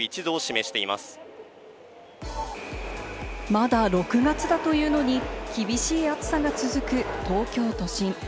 まだ６月だというのに厳しい暑さが続く東京都心。